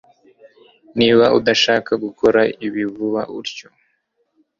Niba udashaka gukora ibi vuga utyo